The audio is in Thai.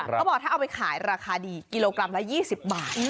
เขาบอกถ้าเอาไปขายราคาดีกิโลกรัมละ๒๐บาท